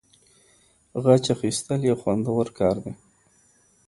غچ اخیستل یو خوندور کار دی.